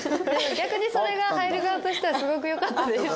逆にそれが入る側としてはすごく良かったです。